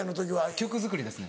曲作りですね。